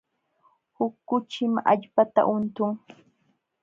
Huk kuchim allpata untun.